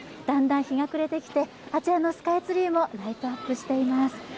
だんだん日が暮れてきて、あちらのスカイツリーもライトアップしています。